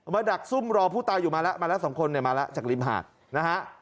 ดักซุ่มรอผู้ตายอยู่มาแล้วมาแล้วสองคนเนี่ยมาแล้วจากริมหาดนะฮะ